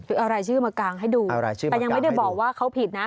เอารายชื่อมากางให้ดูแต่ยังไม่ได้บอกว่าเขาผิดนะ